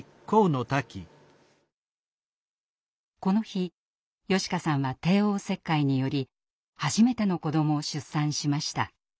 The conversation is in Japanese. この日嘉花さんは帝王切開により初めての子どもを出産しました。